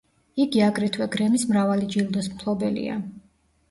იგი აგრეთვე გრემის მრავალი ჯილდოს მფლობელია.